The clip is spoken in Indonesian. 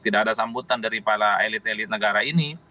tidak ada sambutan dari para elit elit negara ini